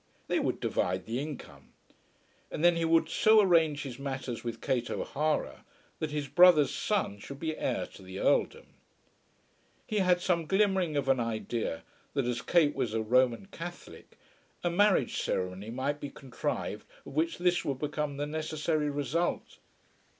They would divide the income. And then he would so arrange his matters with Kate O'Hara that his brother's son should be heir to the Earldom. He had some glimmering of an idea that as Kate was a Roman Catholic a marriage ceremony might be contrived of which this would become the necessary result.